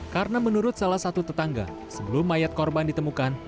karena menurut salah satu tetangga sebelum mayat korban ditemukan